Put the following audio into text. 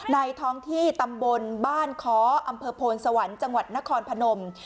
ท้องที่ตำบลบ้านค้ออำเภอโพนสวรรค์จังหวัดนครพนม